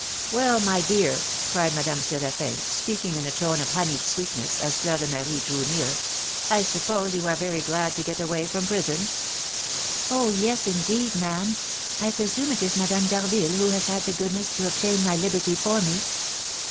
"Well, my dear," cried Madame Séraphin, speaking in a tone of honeyed sweetness, as Fleur de Marie drew near, "I suppose you are very glad to get away from prison." "Oh, yes, indeed, ma'am. I presume it is Madame d'Harville who has had the goodness to obtain my liberty for me?"